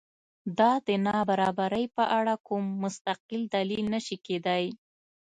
دا د نابرابرۍ په اړه کوم مستقل دلیل نه شي کېدای.